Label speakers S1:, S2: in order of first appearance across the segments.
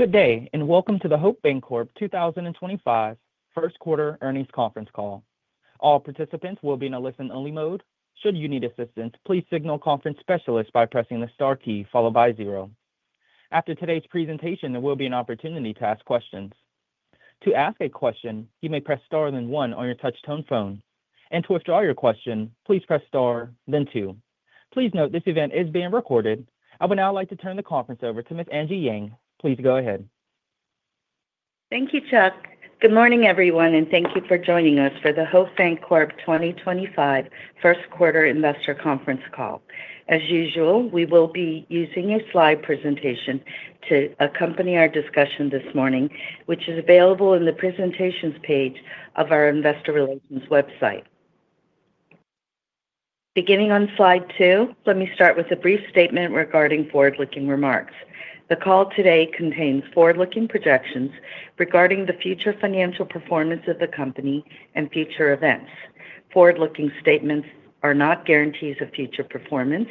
S1: Good day, and welcome to the Hope Bancorp 2025 First Quarter Earnings Conference Call. All participants will be in a listen-only mode. Should you need assistance, please signal conference specialists by pressing the star key followed by zero. After today's presentation, there will be an opportunity to ask questions. To ask a question, you may press star then one on your touch-tone phone. To withdraw your question, please press star then two. Please note this event is being recorded. I would now like to turn the conference over to Ms. Angie Yang. Please go ahead.
S2: Thank you, Chuck. Good morning, everyone, and thank you for joining us for the Hope Bancorp 2025 First Quarter Investor Conference Call. As usual, we will be using a slide presentation to accompany our discussion this morning, which is available in the presentations page of our Investor Relations website. Beginning on slide two, let me start with a brief statement regarding forward-looking remarks. The call today contains forward-looking projections regarding the future financial performance of the company and future events. Forward-looking statements are not guarantees of future performance.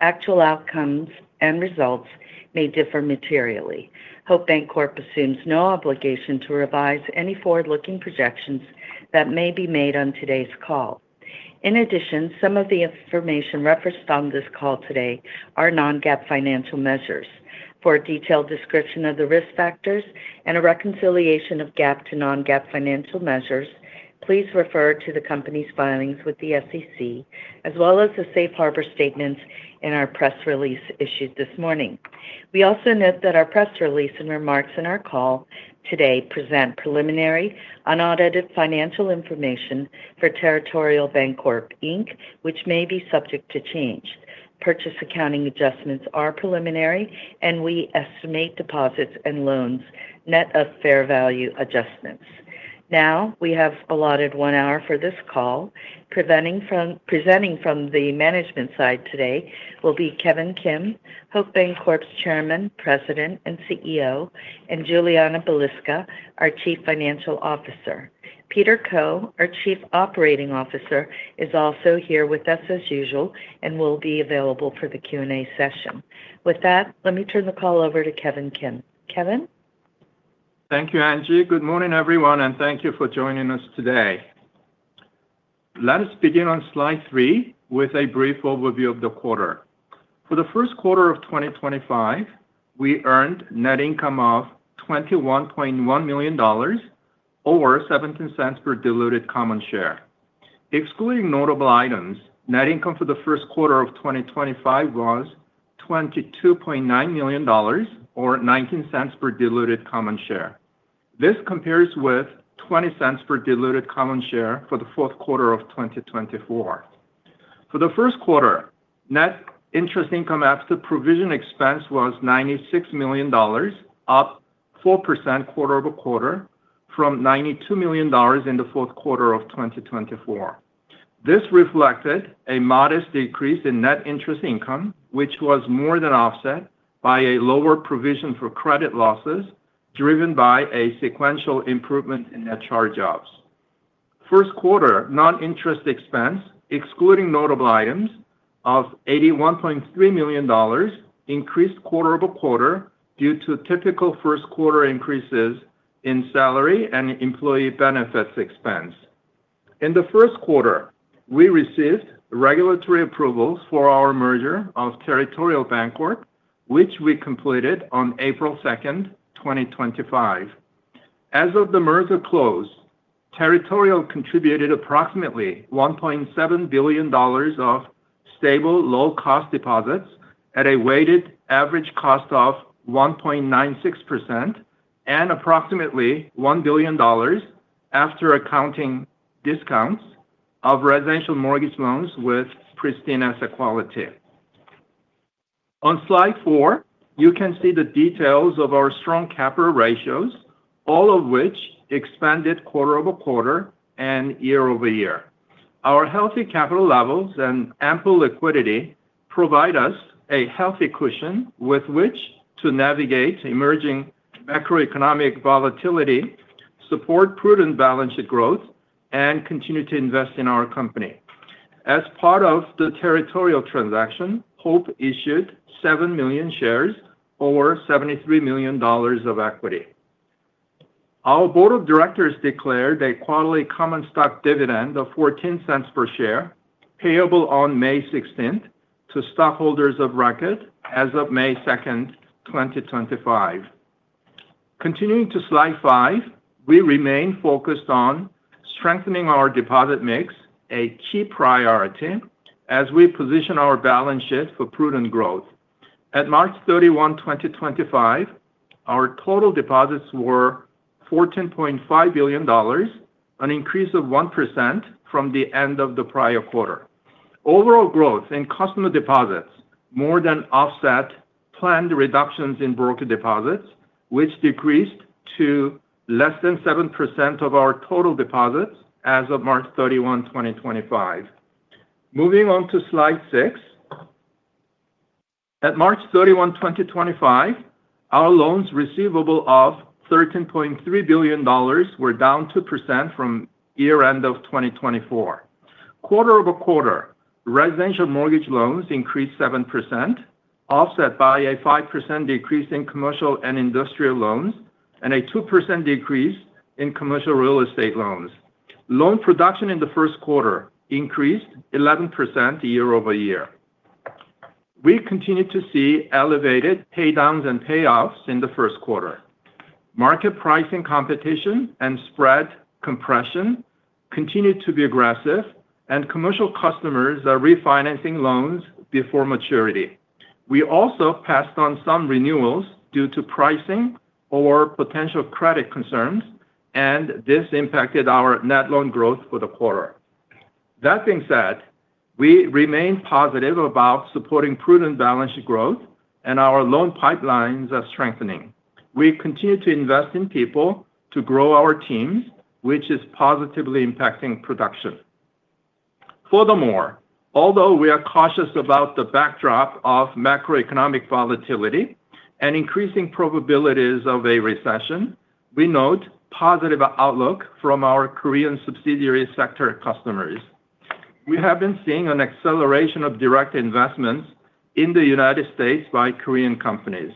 S2: Actual outcomes and results may differ materially. Hope Bancorp assumes no obligation to revise any forward-looking projections that may be made on today's call. In addition, some of the information referenced on this call today are non-GAAP financial measures. For a detailed description of the risk factors and a reconciliation of GAAP to non-GAAP financial measures, please refer to the company's filings with the SEC, as well as the Safe Harbor statements in our press release issued this morning. We also note that our press release and remarks in our call today present preliminary, unaudited financial information for Territorial Bancorp, which may be subject to change. Purchase accounting adjustments are preliminary, and we estimate deposits and loans net of fair value adjustments. Now, we have allotted one hour for this call. Presenting from the management side today will be Kevin Kim, Hope Bancorp's Chairman, President, and CEO, and Julianna Balicka, our Chief Financial Officer. Peter Koh, our Chief Operating Officer, is also here with us as usual and will be available for the Q&A session. With that, let me turn the call over to Kevin Kim. Kevin?
S3: Thank you, Angie. Good morning, everyone, and thank you for joining us today. Let us begin on slide three with a brief overview of the quarter. For the first quarter of 2025, we earned net income of $21.1 million, or 17 cents per diluted common share. Excluding notable items, net income for the first quarter of 2025 was $22.9 million, or $0.19 per diluted common share. This compares with $0.20 per diluted common share for the fourth quarter of 2024. For the first quarter, net interest income after provision expense was $96 million, up 4% quarter-over-quarter from $92 million in the fourth quarter of 2024. This reflected a modest decrease in net interest income, which was more than offset by a lower provision for credit losses driven by a sequential improvement in net charge-offs. First quarter non-interest expense, excluding notable items, of $81.3 million increased quarter over quarter due to typical first quarter increases in salary and employee benefits expense. In the first quarter, we received regulatory approvals for our merger of Territorial Bancorp, which we completed on April 2, 2025. As of the merger close, Territorial contributed approximately $1.7 billion of stable low-cost deposits at a weighted average cost of 1.96% and approximately $1 billion after accounting discounts of residential mortgage loans with pristine quality. On slide four, you can see the details of our strong capital ratios, all of which expanded quarter over quarter and year-over-year. Our healthy capital levels and ample liquidity provide us a healthy cushion with which to navigate emerging macroeconomic volatility, support prudent balance sheet growth, and continue to invest in our company. As part of the Territorial transaction, Hope issued 7 million shares, or $73 million of equity. Our Board of Directors declared a quarterly common stock dividend of 14 cents per share, payable on May 16 to stockholders of record as of May 2, 2025. Continuing to slide five, we remain focused on strengthening our deposit mix, a key priority as we position our balance sheet for prudent growth. At March 31, 2025, our total deposits were $14.5 billion, an increase of 1% from the end of the prior quarter. Overall growth in customer deposits more than offset planned reductions in brokered deposits, which decreased to less than 7% of our total deposits as of March 31, 2025. Moving on to slide six. At March 31, 2025, our loans receivable of $13.3 billion were down 2% from year-end of 2024. Quarter-over-quarter, residential mortgage loans increased 7%, offset by a 5% decrease in commercial and industrial loans and a 2% decrease in commercial real estate loans. Loan production in the first quarter increased 11% year over year. We continue to see elevated paydowns and payoffs in the first quarter. Market pricing competition and spread compression continue to be aggressive, and commercial customers are refinancing loans before maturity. We also passed on some renewals due to pricing or potential credit concerns, and this impacted our net loan growth for the quarter. That being said, we remain positive about supporting prudent balance sheet growth and our loan pipelines are strengthening. We continue to invest in people to grow our teams, which is positively impacting production. Furthermore, although we are cautious about the backdrop of macroeconomic volatility and increasing probabilities of a recession, we note positive outlook from our Korean subsidiary sector customers. We have been seeing an acceleration of direct investments in the United States by Korean companies.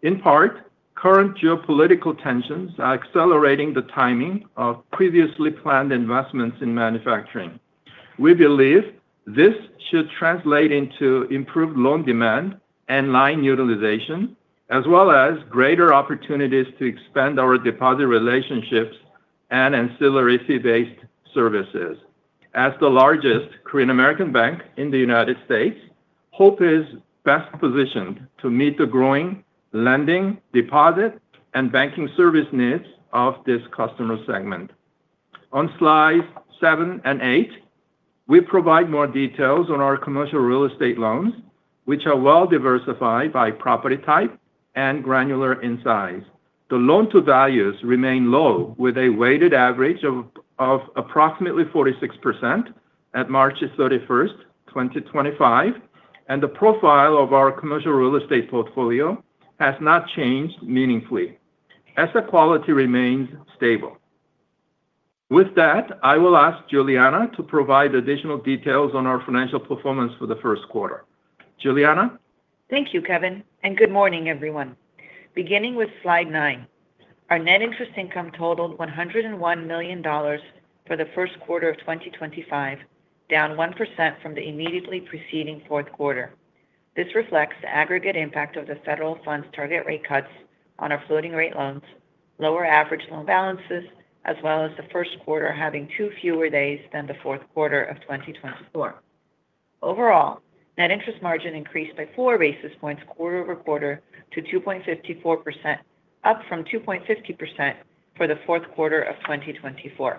S3: In part, current geopolitical tensions are accelerating the timing of previously planned investments in manufacturing. We believe this should translate into improved loan demand and line utilization, as well as greater opportunities to expand our deposit relationships and ancillary fee-based services. As the largest Korean American bank in the United States, Hope is best positioned to meet the growing lending, deposit, and banking service needs of this customer segment. On slides seven and eight, we provide more details on our commercial real estate loans, which are well-diversified by property type and granular in size. The loan-to-values remain low, with a weighted average of approximately 46% at March 31, 2025, and the profile of our commercial real estate portfolio has not changed meaningfully, as the quality remains stable. With that, I will ask Julianna to provide additional details on our financial performance for the first quarter. Julianna?
S4: Thank you, Kevin. Good morning, everyone. Beginning with slide nine, our net interest income totaled $101 million for the first quarter of 2025, down 1% from the immediately preceding fourth quarter. This reflects the aggregate impact of the federal funds target rate cuts on our floating rate loans, lower average loan balances, as well as the first quarter having two fewer days than the fourth quarter of 2024. Overall, net interest margin increased by four basis points quarter over quarter to 2.54%, up from 2.50% for the fourth quarter of 2024.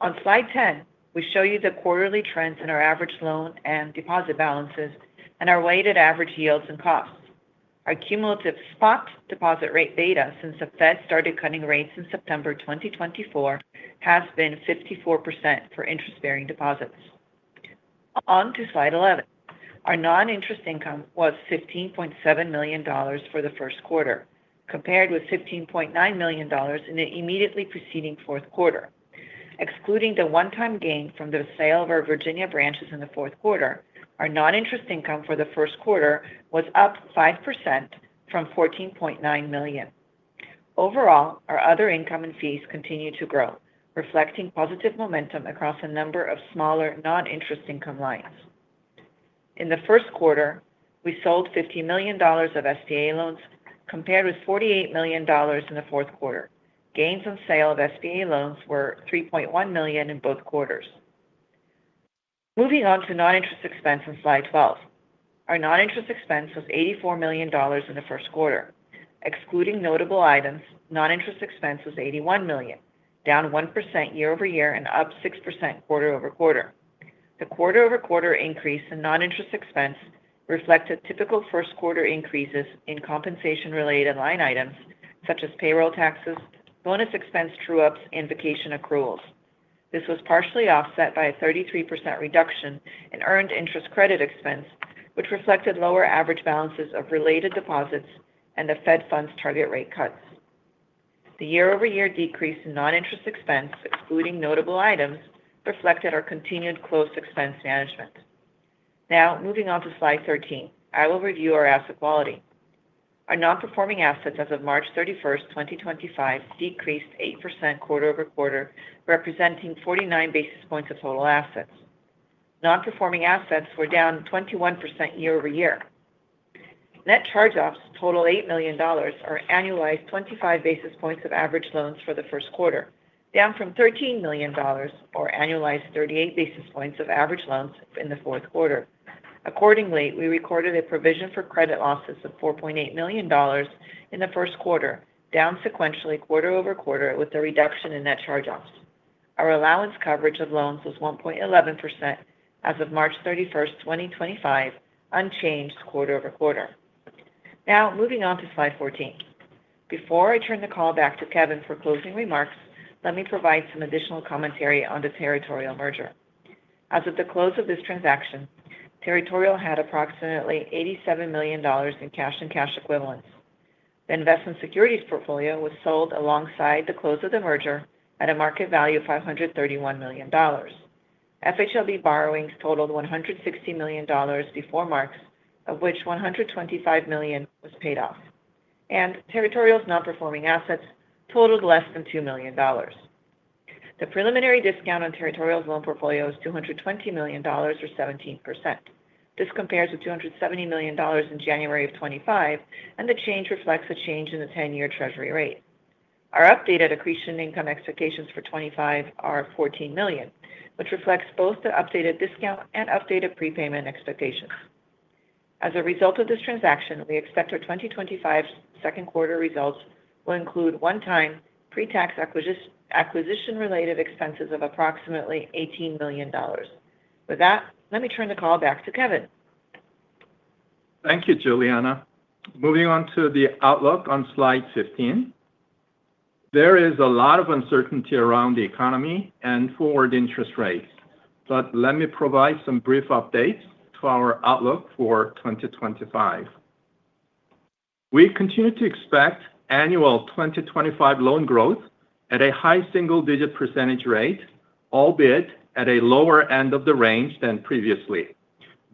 S4: On slide 10, we show you the quarterly trends in our average loan and deposit balances and our weighted average yields and costs. Our cumulative spot deposit rate data since the Fed started cutting rates in September 2024 has been 54% for interest-bearing deposits. On to slide 11. Our non-interest income was $15.7 million for the first quarter, compared with $15.9 million in the immediately preceding fourth quarter. Excluding the one-time gain from the sale of our Virginia branches in the fourth quarter, our non-interest income for the first quarter was up 5% from $14.9 million. Overall, our other income and fees continue to grow, reflecting positive momentum across a number of smaller non-interest income lines. In the first quarter, we sold $50 million of SBA loans, compared with $48 million in the fourth quarter. Gains on sale of SBA loans were $3.1 million in both quarters. Moving on to non-interest expense on slide 12. Our non-interest expense was $84 million in the first quarter. Excluding notable items, non-interest expense was $81 million, down 1% year over year and up 6% quarter over quarter. The quarter-over-quarter increase in non-interest expense reflected typical first quarter increases in compensation-related line items, such as payroll taxes, bonus expense true-ups, and vacation accruals. This was partially offset by a 33% reduction in earned interest credit expense, which reflected lower average balances of related deposits and the Fed funds target rate cuts. The year-over-year decrease in non-interest expense, excluding notable items, reflected our continued close expense management. Now, moving on to slide 13, I will review our asset quality. Our non-performing assets as of March 31, 2025, decreased 8% quarter over quarter, representing 49 basis points of total assets. Non-performing assets were down 21% year-over-year. Net charge-offs totaled $8 million or annualized 25 basis points of average loans for the first quarter, down from $13 million or annualized 38 basis points of average loans in the fourth quarter. Accordingly, we recorded a provision for credit losses of $4.8 million in the first quarter, down sequentially quarter-over-quarter with a reduction in net charge-offs. Our allowance coverage of loans was 1.11% as of March 31, 2025, unchanged quarter-over-quarter. Now, moving on to slide 14. Before I turn the call back to Kevin for closing remarks, let me provide some additional commentary on the Territorial merger. As of the close of this transaction, Territorial had approximately $87 million in cash and cash equivalents. The investment securities portfolio was sold alongside the close of the merger at a market value of $531 million. FHLB borrowings totaled $160 million before March, of which $125 million was paid off. Territorial's non-performing assets totaled less than $2 million. The preliminary discount on Territorial's loan portfolio is $220 million or 17%. This compares with $270 million in January of 2025, and the change reflects a change in the 10-year treasury rate. Our updated accretion income expectations for 2025 are $14 million, which reflects both the updated discount and updated prepayment expectations. As a result of this transaction, we expect our 2025 second quarter results will include one-time pre-tax acquisition-related expenses of approximately $18 million. With that, let me turn the call back to Kevin.
S3: Thank you, Julianna. Moving on to the outlook on slide 15. There is a lot of uncertainty around the economy and forward interest rates, but let me provide some brief updates to our outlook for 2025. We continue to expect annual 2025 loan growth at a high single-digit percentage rate, albeit at a lower end of the range than previously.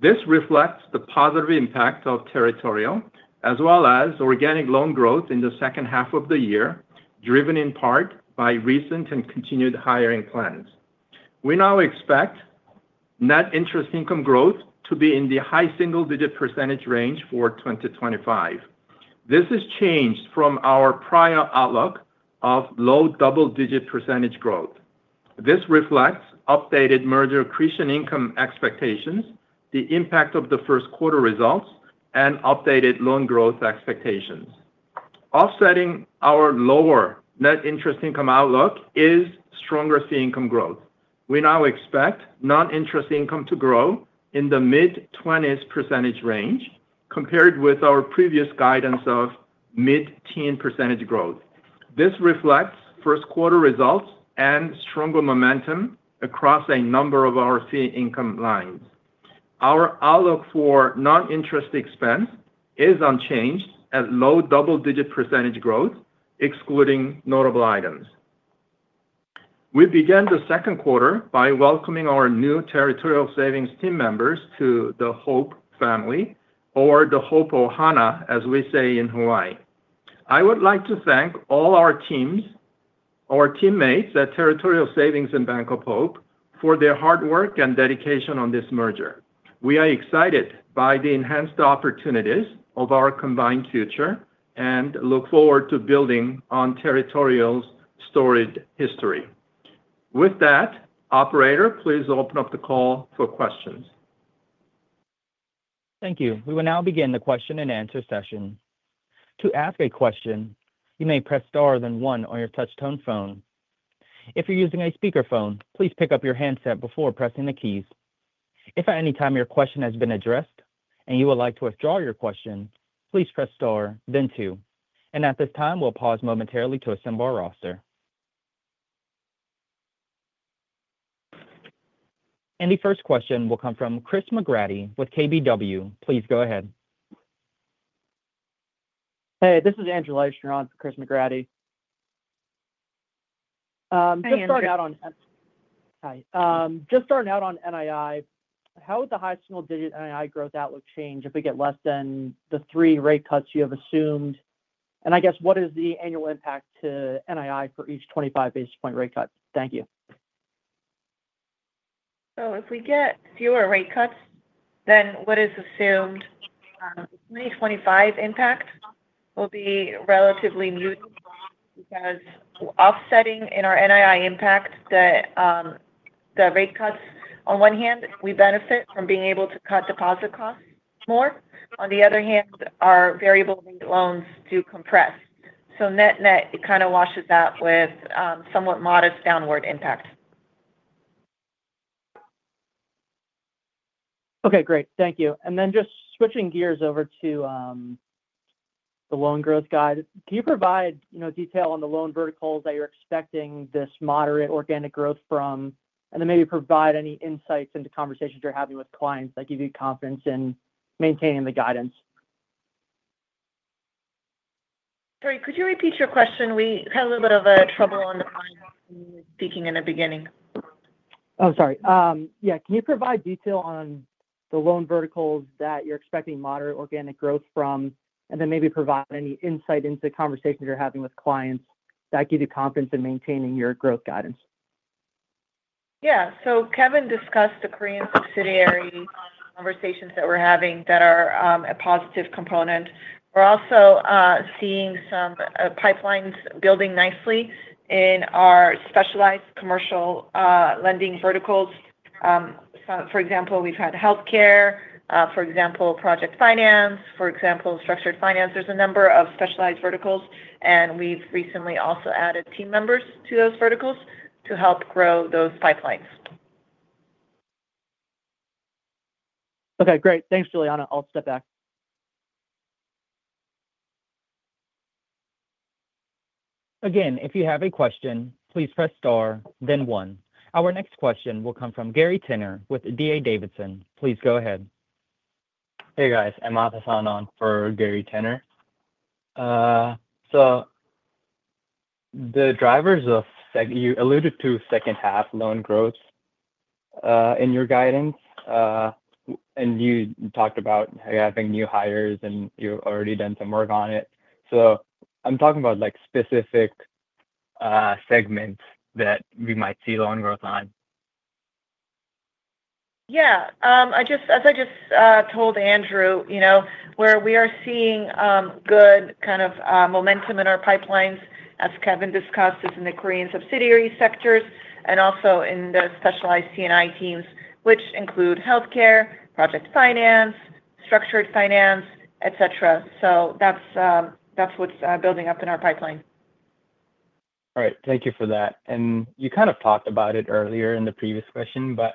S3: This reflects the positive impact of Territorial, as well as organic loan growth in the second half of the year, driven in part by recent and continued hiring plans. We now expect net interest income growth to be in the high single-digit percentage range for 2025. This is changed from our prior outlook of low double-digit percentage growth. This reflects updated merger accretion income expectations, the impact of the first quarter results, and updated loan growth expectations. Offsetting our lower net interest income outlook is stronger fee income growth. We now expect non-interest income to grow in the mid-20s % range, compared with our previous guidance of mid-teen percentage growth. This reflects first quarter results and stronger momentum across a number of our fee income lines. Our outlook for non-interest expense is unchanged at low double-digit percentage growth, excluding notable items. We began the second quarter by welcoming our new Territorial Savings team members to the Hope family, or the Hope Ohana, as we say in Hawaii. I would like to thank all our teams, our teammates at Territorial Savings and Bank of Hope, for their hard work and dedication on this merger. We are excited by the enhanced opportunities of our combined future and look forward to building on Territorial's storied history. With that, operator, please open up the call for questions.
S1: Thank you. We will now begin the question and answer session. To ask a question, you may press star then one on your touch-tone phone. If you're using a speakerphone, please pick up your handset before pressing the keys. If at any time your question has been addressed and you would like to withdraw your question, please press star, then two. At this time, we'll pause momentarily to assemble our roster. The first question will come from Chris McGratty with KBW. Please go ahead.
S5: Hey, this is Andrew Leischner for Chris McGratty. Hey, just starting out on NII, how would the high single-digit NII growth outlook change if we get less than the three rate cuts you have assumed? I guess, what is the annual impact to NII for each 25-basis point rate cut? Thank you.
S4: If we get fewer rate cuts than what is assumed, the 2025 impact will be relatively muted because offsetting in our NII impact that the rate cuts, on one hand, we benefit from being able to cut deposit costs more. On the other hand, our variable rate loans do compress. Net-net, it kind of washes out with somewhat modest downward impact.
S5: Okay, great. Thank you. Just switching gears over to the loan growth guide, can you provide detail on the loan verticals that you're expecting this moderate organic growth from? Maybe provide any insights into conversations you're having with clients that give you confidence in maintaining the guidance.
S4: Great. Could you repeat your question? We had a little bit of trouble on the line speaking in the beginning.
S5: Oh, sorry. Yeah. Can you provide detail on the loan verticals that you're expecting moderate organic growth from? And then maybe provide any insight into conversations you're having with clients that give you confidence in maintaining your growth guidance?
S4: Yeah. Kevin discussed the Korean subsidiary conversations that we're having that are a positive component. We're also seeing some pipelines building nicely in our specialized commercial lending verticals. For example, we've had healthcare, for example, project finance, for example, structured finance. There's a number of specialized verticals, and we've recently also added team members to those verticals to help grow those pipelines.
S5: Okay, great. Thanks, Julianna. I'll step back.
S1: Again, if you have a question, please press star, then one. Our next question will come from Gary Tenner with D.A. Davidson. Please go ahead.
S6: Hey, guys. I'm Ahmad Hasan for Gary Tenner. The drivers of you alluded to second-half loan growth in your guidance, and you talked about having new hires, and you've already done some work on it. I'm talking about specific segments that we might see loan growth on.
S4: Yeah. As I just told Andrew, where we are seeing good kind of momentum in our pipelines, as Kevin discussed, is in the Korean subsidiary sectors and also in the specialized C&I teams, which include healthcare, project finance, structured finance, etc. That's what's building up in our pipeline.
S6: All right. Thank you for that. You kind of talked about it earlier in the previous question, but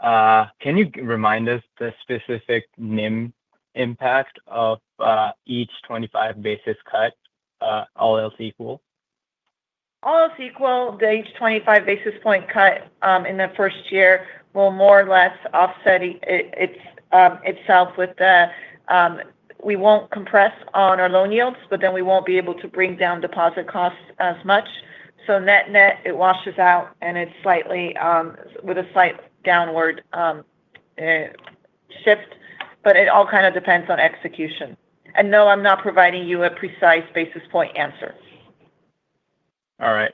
S6: can you remind us the specific NIM impact of each 25-basis point cut, all else equal?
S4: All else equal, each 25-basis point cut in the first year will more or less offset itself with the we won't compress on our loan yields, but then we won't be able to bring down deposit costs as much. Net-net, it washes out, and it's slightly with a slight downward shift, but it all kind of depends on execution. No, I'm not providing you a precise basis point answer.
S6: All right.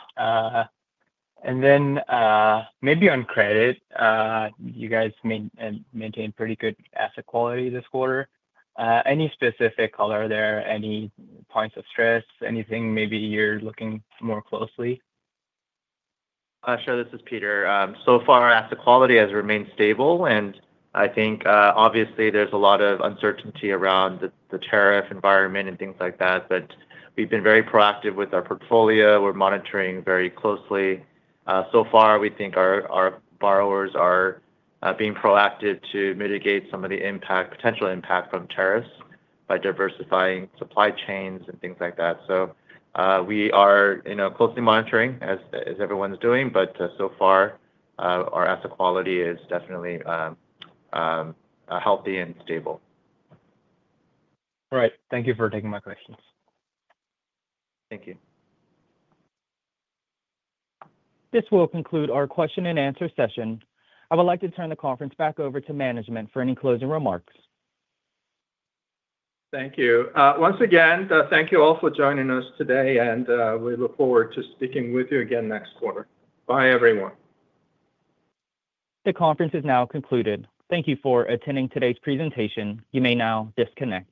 S6: Maybe on credit, you guys maintained pretty good asset quality this quarter. Any specific color there? Any points of stress? Anything maybe you're looking more closely?
S7: Sure. This is Peter. So far, asset quality has remained stable. I think, obviously, there is a lot of uncertainty around the tariff environment and things like that. We have been very proactive with our portfolio. We are monitoring very closely. So far, we think our borrowers are being proactive to mitigate some of the potential impact from tariffs by diversifying supply chains and things like that. We are closely monitoring, as everyone's doing. So far, our asset quality is definitely healthy and stable.
S6: All right. Thank you for taking my questions.
S7: Thank you.
S1: This will conclude our question and answer session. I would like to turn the conference back over to management for any closing remarks.
S3: Thank you. Once again, thank you all for joining us today, and we look forward to speaking with you again next quarter. Bye, everyone.
S1: The conference is now concluded. Thank you for attending today's presentation. You may now disconnect.